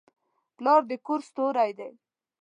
پلار د کور ستوری دی.